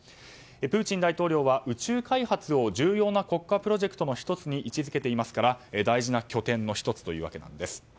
プーチン大統領は宇宙開発を重要な国家プロジェクトの１つに位置付けていますから大事な拠点の１つというわけです。